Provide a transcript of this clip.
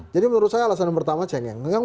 jadi menurut saya alasan yang pertama cengeng